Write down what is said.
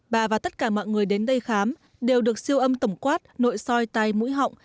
bà và tất cả mọi người đến đây khám đều được siêu âm tổng quát nội soi tay mũi họng